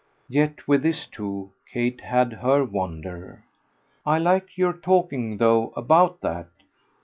Yet with this too Kate had her wonder. "I like your talking, though, about that.